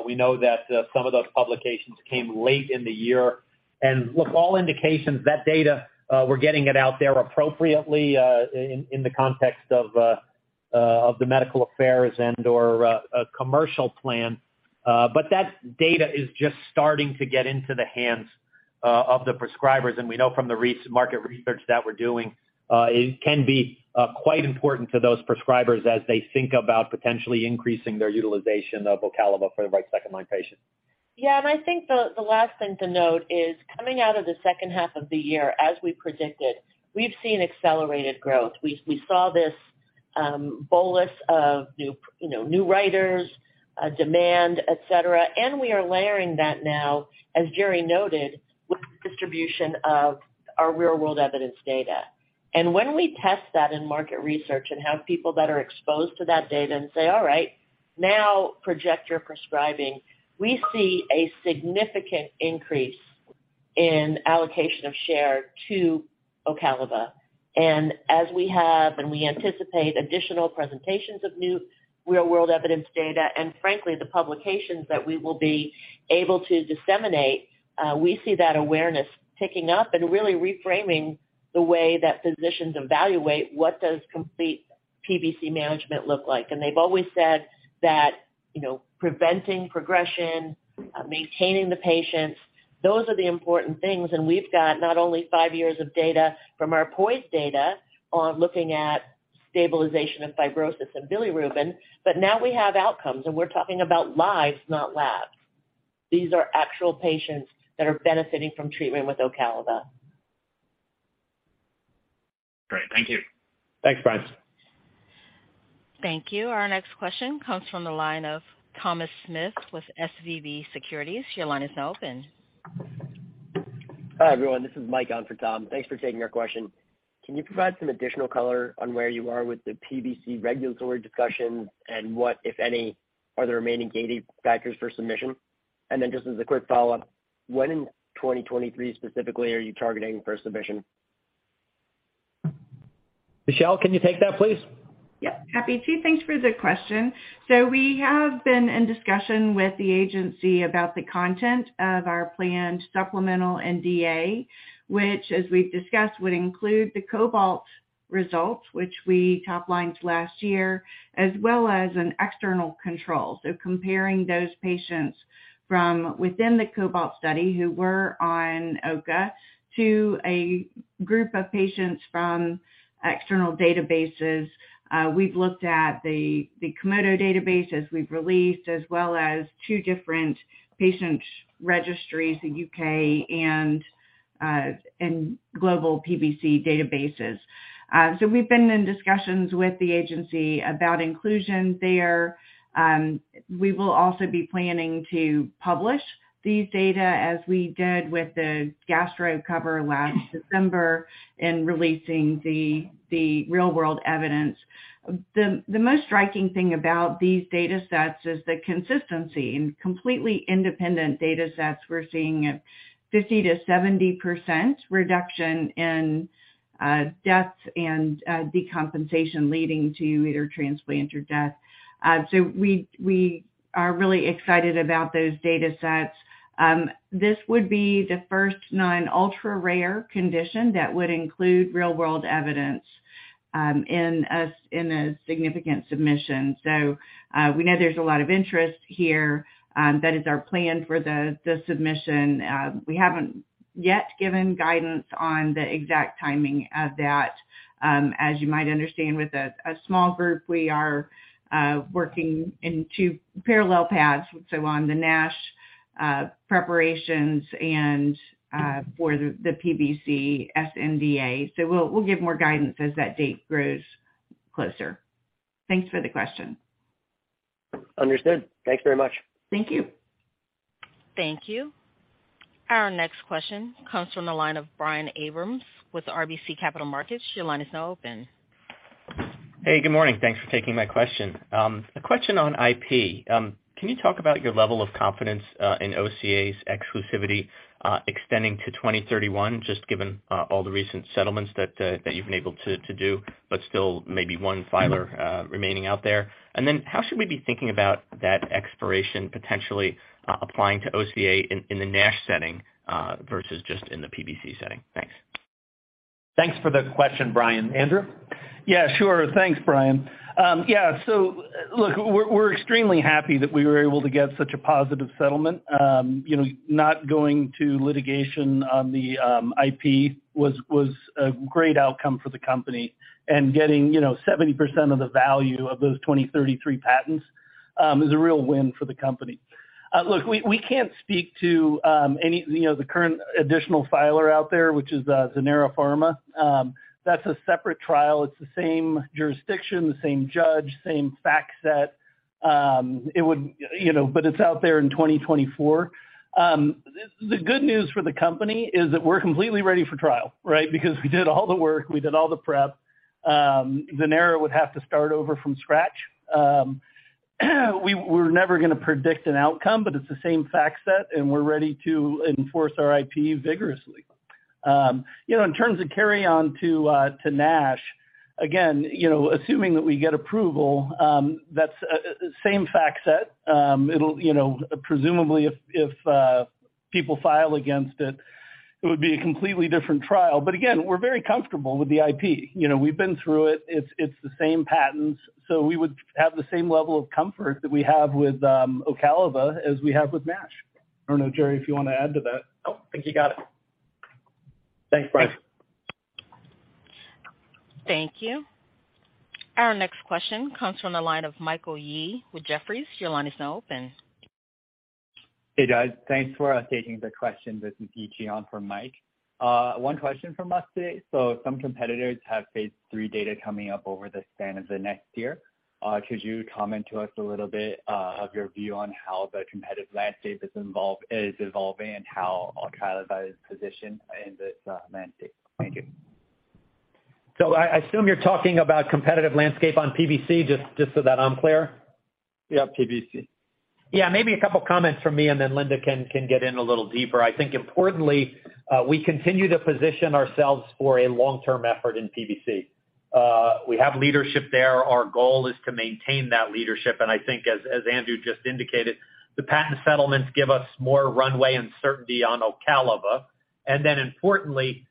We know that some of those publications came late in the year. Look, all indications that data, we're getting it out there appropriately in the context of the medical affairs and/or a commercial plan. But that data is just starting to get into the hands of the prescribers. We know from the re-market research that we're doing, it can be quite important to those prescribers as they think about potentially increasing their utilization of Ocaliva for the right second-line patient. I think the last thing to note is coming out of the second half of the year, as we predicted, we've seen accelerated growth. We saw this bolus of new, you know, new writers, demand, et cetera. We are layering that now, as Jerry noted, with distribution of our real-world evidence data. When we test that in market research and have people that are exposed to that data and say, "All right, now project your prescribing," we see a significant increase in allocation of share to Ocaliva. As we have, and we anticipate additional presentations of new real-world evidence data, and frankly, the publications that we will be able to disseminate, we see that awareness picking up and really reframing the way that physicians evaluate what does complete PBC management look like. They've always said that, you know, preventing progression, maintaining the patients, those are the important things. We've got not only five years of data from our POISE data on looking at stabilization of fibrosis and bilirubin, but now we have outcomes, and we're talking about lives, not labs. These are actual patients that are benefiting from treatment with Ocaliva. Great. Thank you. Thanks, Brian. Thank you. Our next question comes from the line of Thomas Smith with SVB Securities. Your line is now open. Hi, everyone. This is Mike on for Thomas. Thanks for taking our question. Can you provide some additional color on where you are with the PBC regulatory discussions and what, if any, are the remaining gating factors for submission? Just as a quick follow-up, when in 2023 specifically are you targeting for submission? Michelle, can you take that please? Yep, happy to. Thanks for the question. We have been in discussion with the agency about the content of our planned supplemental NDA, which as we've discussed, would include the COBALT results, which we top-lined last year, as well as an external control. Comparing those patients from within the COBALT study who were on OCA to a group of patients from external databases. We've looked at the Komodo database as we've released, as well as two different patient registries, the U.K. and global PBC databases. We've been in discussions with the agency about inclusion there. We will also be planning to publish these data as we did with the Gastro Cover last December in releasing the real world evidence. The most striking thing about these datasets is the consistency. In completely independent datasets, we're seeing a 50%-70% reduction in death and decompensation leading to either transplant or death. We are really excited about those datasets. This would be the first non-ultra rare condition that would include real-world evidence in a significant submission. We know there's a lot of interest here. That is our plan for the submission. We haven't yet given guidance on the exact timing of that. As you might understand with a small group, we are working in two parallel paths, on the NASH preparations and for the PBC sNDA. We'll give more guidance as that date grows closer. Thanks for the question. Understood. Thanks very much. Thank you. Thank you. Our next question comes from the line of Brian Abrams with RBC Capital Markets. Your line is now open. Hey, good morning. Thanks for taking my question. A question on IP. Can you talk about your level of confidence in OCA's exclusivity extending to 2031, just given all the recent settlements that you've been able to do, but still maybe one filer remaining out there? How should we be thinking about that expiration potentially applying to OCA in the NASH setting versus just in the PBC setting? Thanks. Thanks for the question, Brian. Andrew? Yeah, sure. Thanks, Brian. Yeah, look, we're extremely happy that we were able to get such a positive settlement. You know, not going to litigation on the IP was a great outcome for the company and getting, you know, 70% of the value of those 2033 patents is a real win for the company. Look, we can't speak to any, you know, the current additional filer out there, which is Zenara Pharma. That's a separate trial. It's the same jurisdiction, the same judge, same fact set. It would, you know, but it's out there in 2024. The good news for the company is that we're completely ready for trial, right? Because we did all the work, we did all the prep. Zenara would have to start over from scratch. We're never gonna predict an outcome, but it's the same fact set, and we're ready to enforce our IP vigorously. You know, in terms of carry on to NASH, again, you know, assuming that we get approval, that's the same fact set. It'll, you know, presumably if people file against it would be a completely different trial. Again, we're very comfortable with the IP. You know, we've been through it. It's the same patents. We would have the same level of comfort that we have with Ocaliva as we have with NASH. I don't know, Jerry, if you wanna add to that. No. I think you got it. Thanks, Brian. Thank you. Our next question comes from the line of Michael Yee with Jefferies. Your line is now open. Hey, guys. Thanks for taking the question. This is Yi-Chen on for Mike. One question from us today. Some competitors have phase three data coming up over the span of the next year. Could you comment to us a little bit of your view on how the competitive landscape is evolving and how Ocaliva is positioned in this landscape? Thank you. I assume you're talking about competitive landscape on PBC, just so that I'm clear. Yeah, PBC. Yeah, maybe a couple comments from me, and then Linda can get in a little deeper. I think importantly, we continue to position ourselves for a long-term effort in PBC. We have leadership there. Our goal is to maintain that leadership. I think as Andrew just indicated, the patent settlements give us more runway and certainty on Ocaliva. Importantly,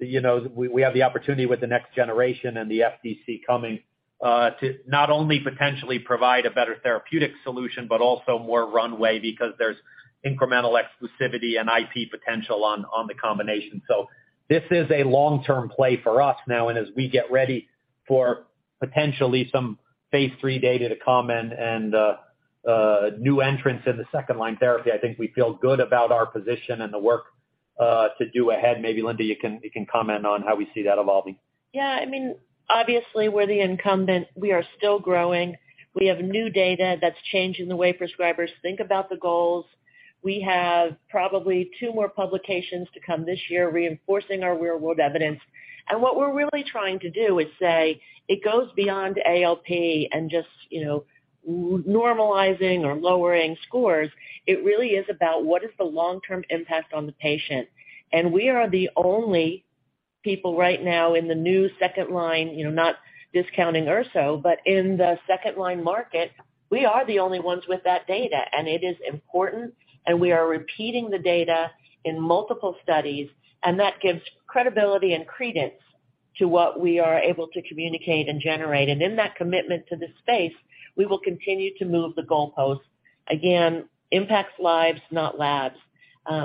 you know, we have the opportunity with the next generation and the FDC coming, to not only potentially provide a better therapeutic solution, but also more runway because there's incremental exclusivity and IP potential on the combination. This is a long-term play for us now, and as we get ready for potentially some Phase III data to come and new entrants in the second line therapy, I think we feel good about our position and the work to do ahead. Maybe Linda, you can comment on how we see that evolving. Yeah. I mean, obviously, we're the incumbent. We are still growing. We have new data that's changing the way prescribers think about the goals. We have probably two more publications to come this year reinforcing our real-world evidence. What we're really trying to do is say it goes beyond ALP and just, you know, normalizing or lowering scores. It really is about what is the long-term impact on the patient. We are the only- People right now in the new second line, you know, not discounting Urso, but in the second line market, we are the only ones with that data and it is important, and we are repeating the data in multiple studies, and that gives credibility and credence to what we are able to communicate and generate. In that commitment to this space, we will continue to move the goalpost. Again, impacts lives, not labs.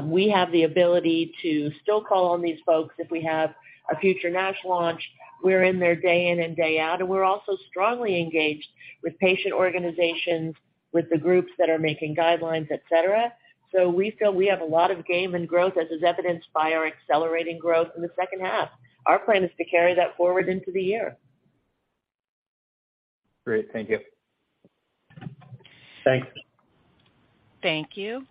We have the ability to still call on these folks if we have a future NASH launch. We're in there day in and day out, and we're also strongly engaged with patient organizations, with the groups that are making guidelines, et cetera. We feel we have a lot of game and growth as is evidenced by our accelerating growth in the second half. Our plan is to carry that forward into the year. Great. Thank you. Thanks. Thank you.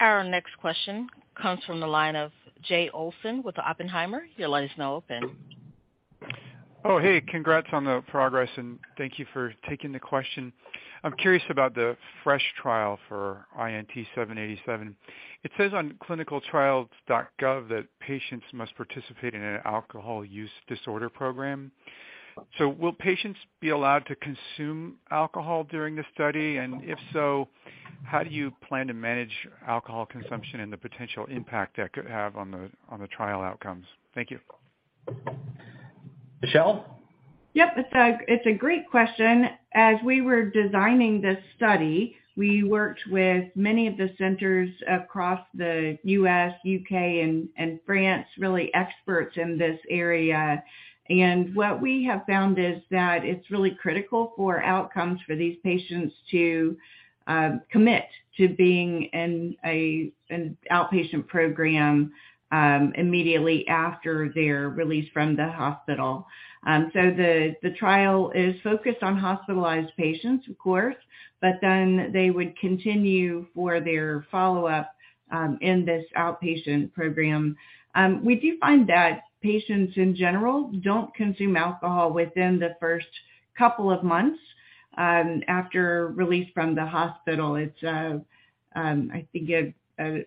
Our next question comes from the line of Jay Olson with Oppenheimer. Your line is now open. Oh, hey, congrats on the progress, and thank you for taking the question. I'm curious about the FRESH trial for INT-787. It says on clinicaltrials.gov that patients must participate in an alcohol use disorder program. Will patients be allowed to consume alcohol during the study? If so, how do you plan to manage alcohol consumption and the potential impact that could have on the trial outcomes? Thank you. Michelle? Yep. It's a great question. As we were designing this study, we worked with many of the centers across the U.S., U.K., and France, really experts in this area. What we have found is that it's really critical for outcomes for these patients to commit to being in an outpatient program, immediately after they're released from the hospital. The trial is focused on hospitalized patients, of course, but then they would continue for their follow-up, in this outpatient program. We do find that patients in general don't consume alcohol within the first couple of months, after release from the hospital. It's, a, I think, a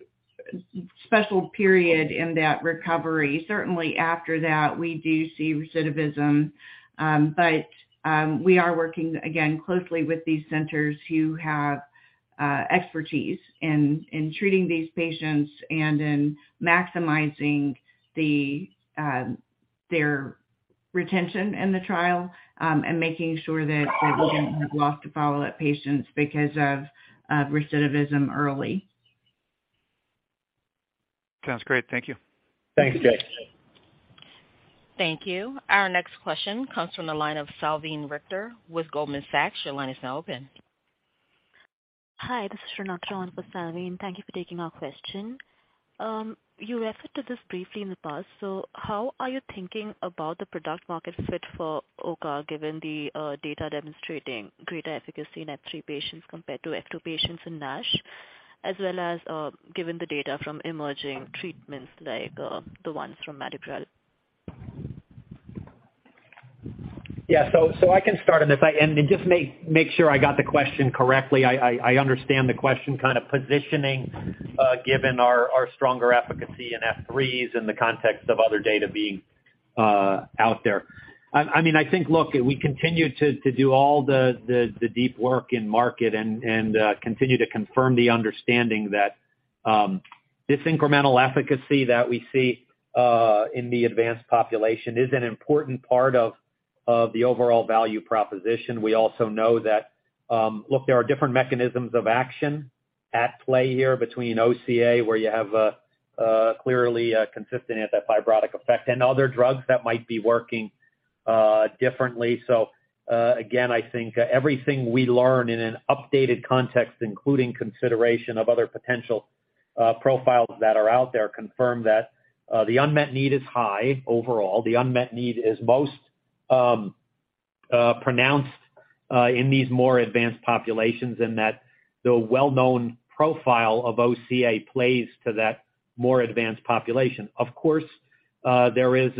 special period in that recovery. Certainly after that, we do see recidivism. We are working, again, closely with these centers who have expertise in treating these patients and in maximizing the, their retention in the trial, and making sure that we don't have loss to follow at patients because of recidivism early. Sounds great. Thank you. Thanks, Jay. Thank you. Our next question comes from the line of Salveen Richter with Goldman Sachs. Your line is now open. Hi, this is Renata on for Salveen. Thank you for taking our question. How are you thinking about the product market fit for OCA, given the data demonstrating greater efficacy in F3 patients compared to F2 patients in NASH, as well as given the data from emerging treatments like the ones from Madrigal? Yeah. I can start on this. Just make sure I got the question correctly. I understand the question kind of positioning, given our stronger efficacy in F3s in the context of other data being out there. I mean, I think, look, we continue to do all the deep work in market and continue to confirm the understanding that this incremental efficacy that we see in the advanced population is an important part of the overall value proposition. We also know that, look, there are different mechanisms of action at play here between OCA, where you have a clearly consistent anti-fibrotic effect and other drugs that might be working differently. Again, I think everything we learn in an updated context, including consideration of other potential profiles that are out there, confirm that the unmet need is high overall. The unmet need is most pronounced in these more advanced populations and that the well-known profile of OCA plays to that more advanced population. Of course, there is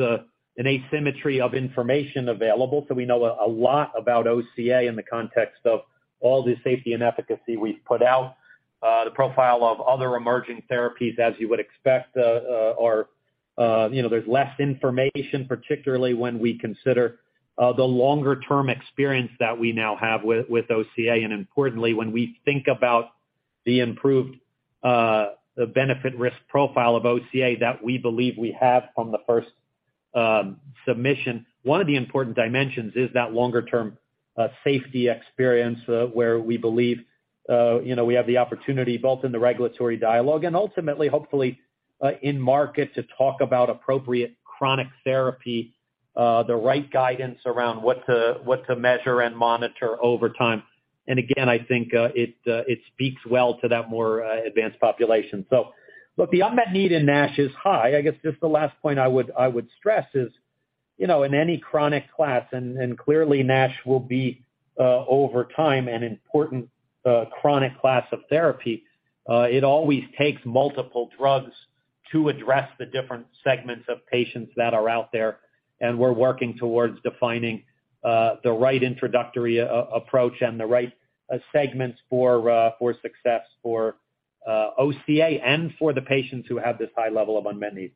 an asymmetry of information available, so we know a lot about OCA in the context of all the safety and efficacy we've put out. The profile of other emerging therapies, as you would expect, you know, there's less information, particularly when we consider the longer-term experience that we now have with OCA. Importantly, when we think about the improved, the benefit risk profile of OCA that we believe we have from the first submission, one of the important dimensions is that longer-term safety experience, where we believe, you know, we have the opportunity both in the regulatory dialogue and ultimately, hopefully, in market to talk about appropriate chronic therapy, the right guidance around what to, what to measure and monitor over time. Again, I think it speaks well to that more advanced population. Look, the unmet need in NASH is high. I guess just the last point I would stress is, you know, in any chronic class, and clearly NASH will be over time an important chronic class of therapy, it always takes multiple drugs to address the different segments of patients that are out there, and we're working towards defining the right introductory approach and the right segments for for success for OCA and for the patients who have this high level of unmet need.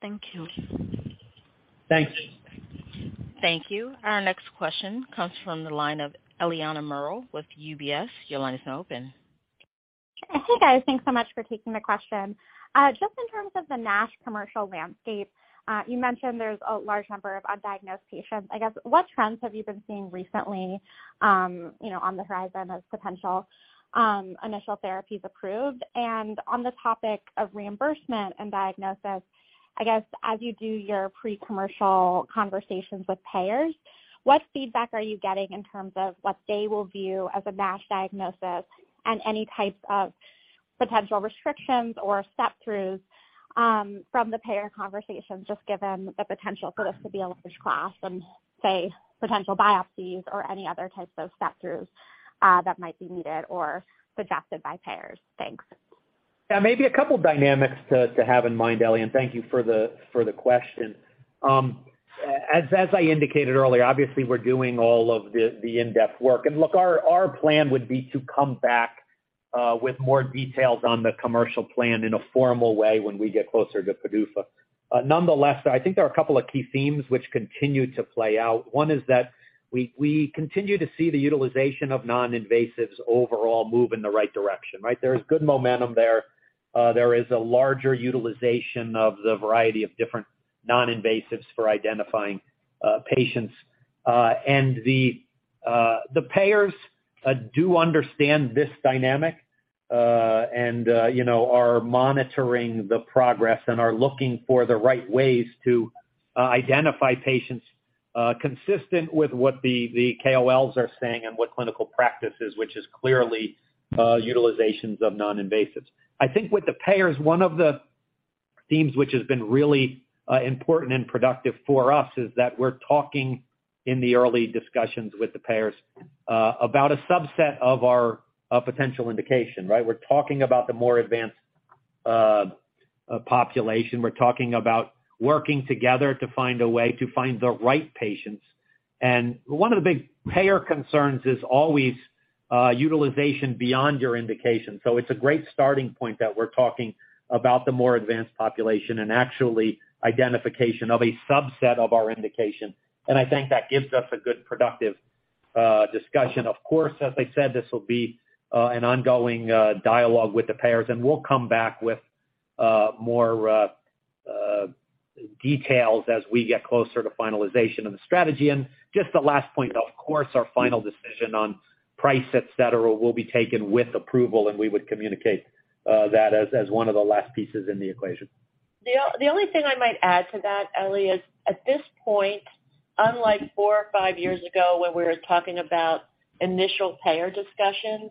Thank you. Thanks. Thank you. Our next question comes from the line of Eliana Merle with UBS. Your line is now open. Hey, guys. Thanks so much for taking the question. Just in terms of the NASH commercial landscape, you mentioned there's a large number of undiagnosed patients. I guess, what trends have you been seeing recently, you know, on the horizon of potential, initial therapies approved? On the topic of reimbursement and diagnosis, I guess, as you do your pre-commercial conversations with payers, what feedback are you getting in terms of what they will view as a NASH diagnosis and any types of potential restrictions or step-throughs, from the payer conversations, just given the potential for this to be a large class and say, potential biopsies or any other types of step-throughs, that might be needed or suggested by payers? Thanks. Yeah, maybe a couple of dynamics to have in mind, Ellie, and thank you for the question. As I indicated earlier, obviously we're doing all of the in-depth work. Look, our plan would be to come back with more details on the commercial plan in a formal way when we get closer to PDUFA. Nonetheless, I think there are a couple of key themes which continue to play out. One is that we continue to see the utilization of non-invasives overall move in the right direction, right? There is good momentum there. There is a larger utilization of the variety of different non-invasives for identifying patients. The payers do understand this dynamic, and, you know, are monitoring the progress and are looking for the right ways to identify patients consistent with what the KOLs are saying and what clinical practice is, which is clearly utilizations of non-invasives. I think with the payers, one of the themes which has been really important and productive for us is that we're talking in the early discussions with the payers about a subset of our potential indication, right? We're talking about the more advanced population. We're talking about working together to find a way to find the right patients. One of the big payer concerns is always utilization beyond your indication. It's a great starting point that we're talking about the more advanced population and actually identification of a subset of our indication. I think that gives us a good productive discussion. Of course, as I said, this will be an ongoing dialogue with the payers, and we'll come back with more details as we get closer to finalization of the strategy. Just the last point, of course, our final decision on price, et cetera, will be taken with approval, and we would communicate that as one of the last pieces in the equation. The only thing I might add to that, Ellie, is at this point, unlike four or five years ago when we were talking about initial payer discussions,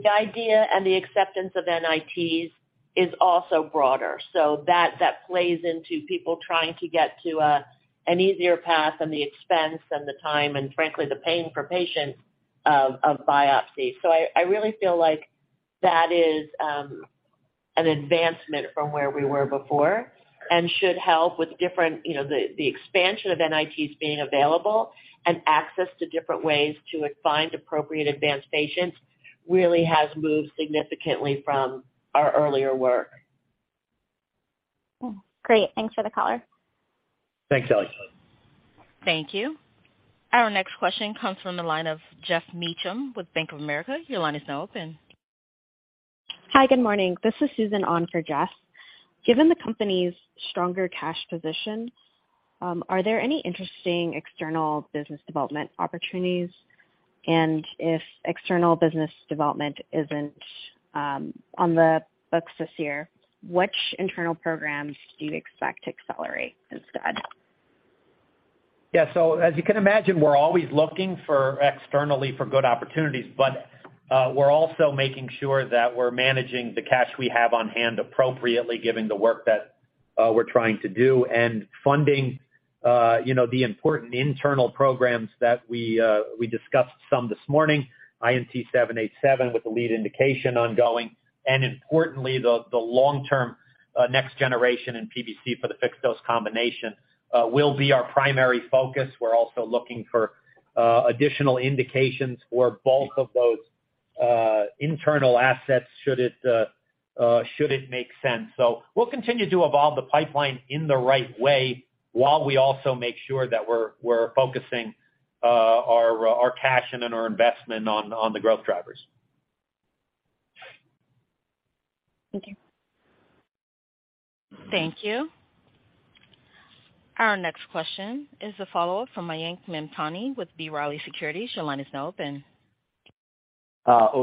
the idea and the acceptance of NITs is also broader. That plays into people trying to get to an easier path and the expense and the time, and frankly, the pain for patients of biopsy. I really feel like that is an advancement from where we were before and should help with different, you know, the expansion of NITs being available and access to different ways to find appropriate advanced patients really has moved significantly from our earlier work. Great. Thanks for the color. Thanks, Ellie. Thank you. Our next question comes from the line of Geoff Meacham with Bank of America. Your line is now open. Hi, good morning. This is Susan on for Geoff. Given the company's stronger cash position, are there any interesting external business development opportunities? If external business development isn't, on the books this year, which internal programs do you expect to accelerate instead? Yeah. As you can imagine, we're always looking for externally for good opportunities, but we're also making sure that we're managing the cash we have on hand appropriately given the work that we're trying to do and funding, you know, the important internal programs that we discussed some this morning, INT-787 with the lead indication ongoing, and importantly, the long-term next generation in PBC for the fixed-dose combination will be our primary focus. We're also looking for additional indications for both of those internal assets, should it make sense. We'll continue to evolve the pipeline in the right way while we also make sure that we're focusing our cash and then our investment on the growth drivers. Thank you. Thank you. Our next question is a follow-up from Mayank Mamtani with B. Riley Securities. Your line is now open.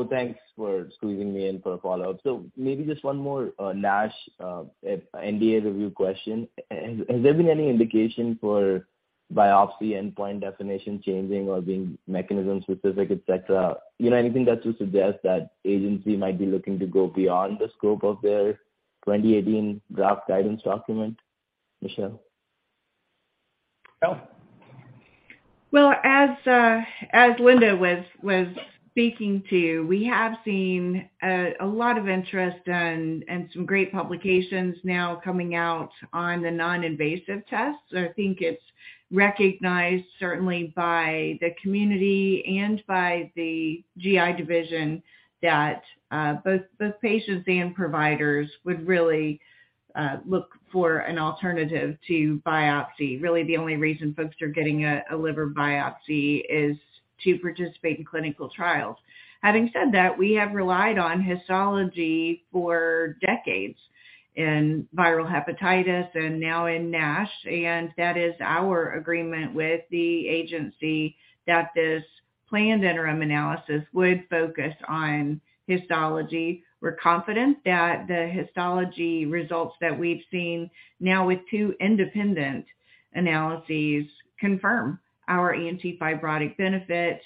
Thanks for squeezing me in for a follow-up. Maybe just one more NASH NDA review question. Has there been any indication for biopsy endpoint definition changing or being mechanism-specific, et cetera? You know, anything that would suggest that agency might be looking to go beyond the scope of their 2018 draft guidance document, Michelle? Well, as Linda was speaking to, we have seen a lot of interest and some great publications now coming out on the non-invasive tests. I think it's recognized certainly by the community and by the GI division that both patients and providers would really look for an alternative to biopsy. Really, the only reason folks are getting a liver biopsy is to participate in clinical trials. Having said that, we have relied on histology for decades in viral hepatitis and now in NASH. That is our agreement with the agency that this planned interim analysis would focus on histology. We're confident that the histology results that we've seen now with two independent analyses confirm our anti-fibrotic benefit,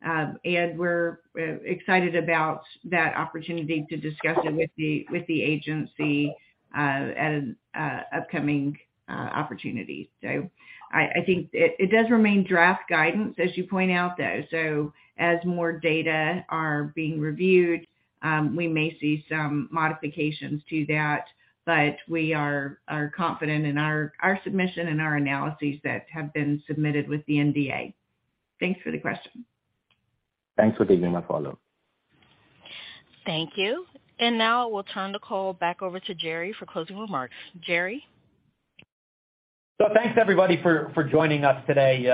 and we're excited about that opportunity to discuss it with the agency at an upcoming opportunity. I think it does remain draft guidance as you point out, though. As more data are being reviewed, we may see some modifications to that, but we are confident in our submission and our analyses that have been submitted with the NDA. Thanks for the question. Thanks for taking my follow. Thank you. Now we'll turn the call back over to Jerry for closing remarks. Jerry? Thanks everybody for joining us today.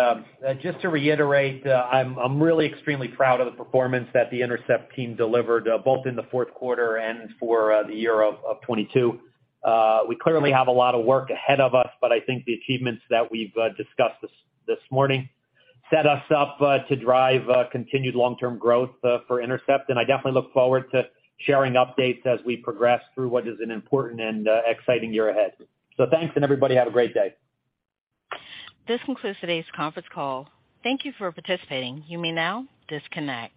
Just to reiterate, I'm really extremely proud of the performance that the Intercept team delivered, both in the fourth quarter and for the year of 2022. We clearly have a lot of work ahead of us, but I think the achievements that we've discussed this morning set us up to drive continued long-term growth for Intercept. I definitely look forward to sharing updates as we progress through what is an important and exciting year ahead. Thanks, and everybody have a great day. This concludes today's conference call. Thank you for participating. You may now disconnect.